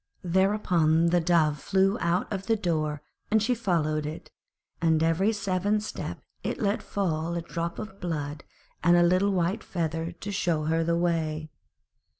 Thereupon the Dove flew out of the door, and she followed it, and every seventh step it let fall a drop of blood and a little white feather to show her the way.